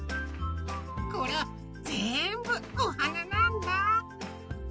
これぜんぶおはななんだ。